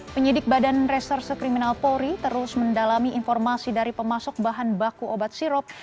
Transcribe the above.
penyidik badan reserse kriminal polri terus mendalami informasi dari pemasok bahan baku obat sirop